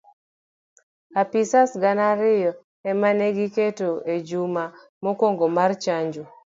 Apisas gana ariyo emane gigeto ejuma mokuongo mar chanjo.